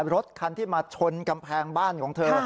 รถคันที่มาชนกำแพงบ้านของเธอ